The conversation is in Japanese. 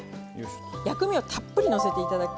薬味をたっぷりのせていただき